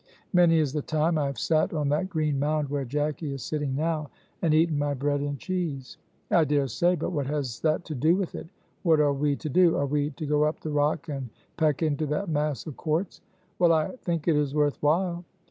"Many is the time I have sat on that green mound where Jacky is sitting now, and eaten my bread and cheese." "I dare say! but what has that to do with it? what are we to do? Are we to go up the rock and peck into that mass of quartz?" "Well, I think it is worth while."